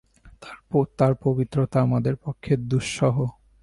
তার পবিত্রতা আমাদের পক্ষে দুঃসহ।